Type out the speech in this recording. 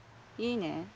いいね。